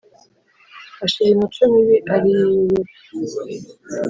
ashira imico mibi ariyurura.